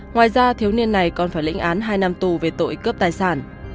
ngoài ra thiếu niên này còn phải lĩnh án hai năm tù về tội cướp tài sản